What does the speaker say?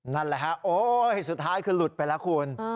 นั่นแหละฮะโอ๊ยสุดท้ายคือหลุดไปแล้วคุณ